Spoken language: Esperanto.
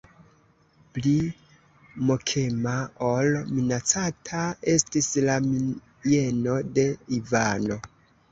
Pli mokema ol minaca estis la mieno de Ivano.